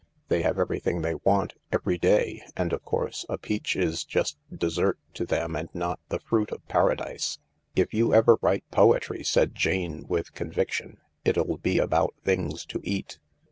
They have everything they want, every day — and, of course, a peach is just dessert to them and not the fruit of Paradise," " If you ever write poetry," said Jane with conviction, "it'll be about things to eat."